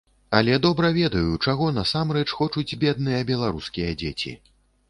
Але добра ведаю, чаго насамрэч хочуць бедныя беларускія дзеці.